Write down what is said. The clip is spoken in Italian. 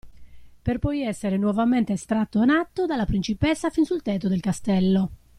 Per poi essere nuovamente strattonato dalla principessa fin sul tetto del castello.